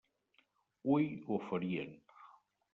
Hui ho farien.